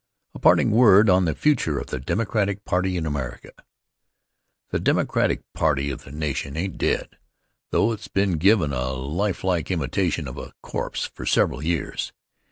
A Parting Word on the Future of the Democratic Party in America THE Democratic party of the nation ain't dead, though it's been givin' a lifelike imitation of a corpse for several years.